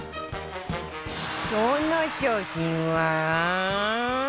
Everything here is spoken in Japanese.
その商品は